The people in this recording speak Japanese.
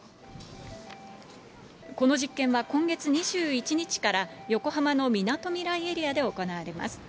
この実験は今月２１日から、横浜のみなとみらいエリアで行われます。